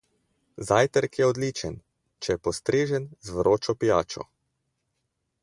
Zajtrk je odličen, če je postrežen z vročo pijačo.